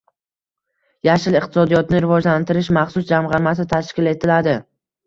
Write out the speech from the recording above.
“Yashil iqtisodiyot”ni rivojlantirish maxsus jamg‘armasi tashkil etiladi.